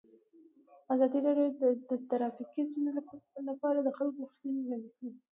ازادي راډیو د ټرافیکي ستونزې لپاره د خلکو غوښتنې وړاندې کړي.